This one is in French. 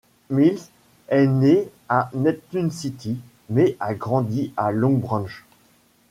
Mills est né à Neptune City mais a grandi à Long Branch.